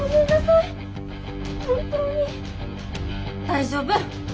大丈夫！